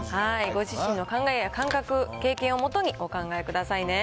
ご自身の考えや経験をもとにお考えくださいね。